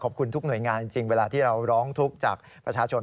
ทุกหน่วยงานจริงเวลาที่เราร้องทุกข์จากประชาชน